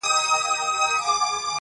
نکړې چا راټولي ستا تر غېږي اواره ګرځي,